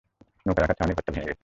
নৌকা রাখার ছাউনিঘরটা ভেঙে গেছে!